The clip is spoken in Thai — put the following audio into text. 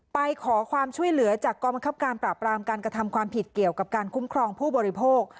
ไปขอความช่วยเหลือจากกรมคับการปราบรามการกระทำความผิดเกี่ยวกับการคุ้มครองผู้บริโภค